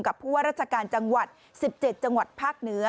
ผู้ว่าราชการจังหวัด๑๗จังหวัดภาคเหนือ